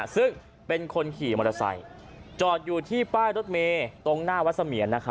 ซึ่งเป็นคนขี่มอเตอร์ไซค์จอดอยู่ที่ป้ายรถเมย์ตรงหน้าวัดเสมียน